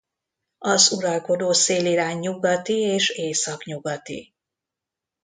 Az uralkodó szélirány nyugati és északnyugati.